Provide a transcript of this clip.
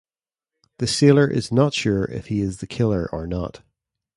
The sailor is not sure if he is the killer or not.